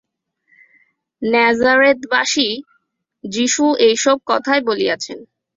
ন্যাজারেথবাসী যীশু এই সব কথাই বলিয়াছেন।